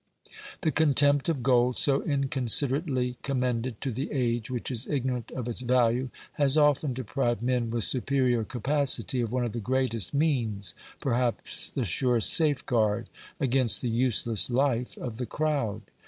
The contempt of gold, so inconsiderately commended to the age which is ignorant of its value, has often deprived men with superior capacity of one of the greatest means, perhaps the surest safeguard, against the useless life of the crowd.